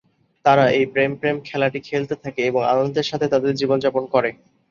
তারা এই প্রেম-প্রেম খেলাটি খেলতে থাকে এবং আনন্দের সাথে তাদের জীবনযাপন করে।